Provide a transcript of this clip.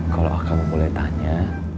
kalau aku boleh tanya